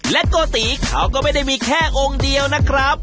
โกติเขาก็ไม่ได้มีแค่องค์เดียวนะครับ